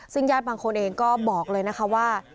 ซึ่งญาติบางคนเองก็บอกเลยนะคะว่า